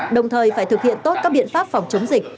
đồng thời phải thực hiện tốt các biện pháp phòng chống dịch